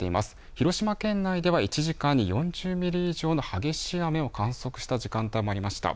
広島県内では１時間に４０ミリ以上の激しい雨を観測した時間帯もありました。